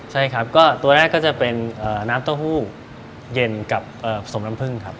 ใช่ครับก็ตัวแรกก็จะเป็นน้ำเต้าหู้เย็นกับสมน้ำผึ้งครับ